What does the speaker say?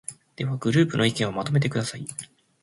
では、グループの意見をまとめてください。